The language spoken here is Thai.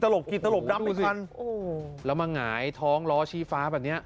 แล้วดูสิแล้วมาหงายท้องล้อชี้ฟ้าแบบนี้